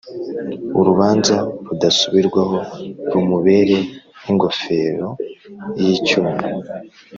urubanza rudasubirwaho rumubere nk’ingofero y’icyuma,